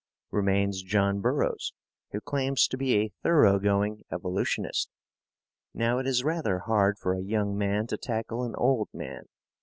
Remains John Burroughs, who claims to be a thorough going evolutionist. Now, it is rather hard for a young man to tackle an old man.